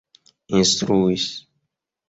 instruis